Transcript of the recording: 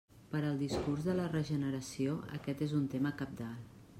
Per al discurs de la regeneració aquest és un tema cabdal.